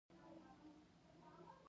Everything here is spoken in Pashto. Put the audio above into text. په پایله کې د اوسپنې مهم وخت راورسید.